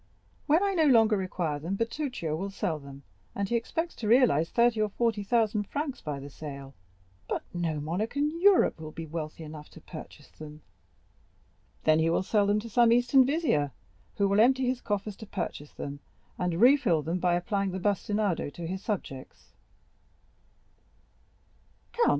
"When I no longer require them, Bertuccio will sell them, and he expects to realize thirty or forty thousand francs by the sale." "But no monarch in Europe will be wealthy enough to purchase them." "Then he will sell them to some Eastern vizier, who will empty his coffers to purchase them, and refill them by applying the bastinado to his subjects."